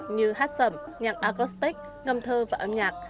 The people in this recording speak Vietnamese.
như hát sầm nhạc acoustic ngâm thơ và âm nhạc